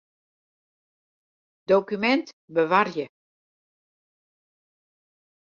Dokumint bewarje.